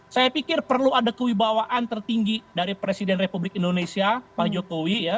saya pikir perlu ada kewibawaan tertinggi dari presiden republik indonesia pak jokowi ya